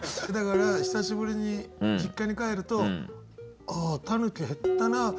だから久しぶりに実家に帰るとああタヌキ減ったな。